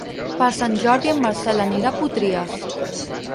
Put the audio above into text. Per Sant Jordi en Marcel anirà a Potries.